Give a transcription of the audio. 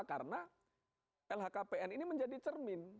karena lhkpn ini menjadi cermin